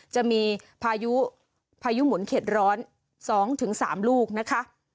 จะมีพายุพายุหมุนเข็ดร้อน๒๓ลูกนะคะ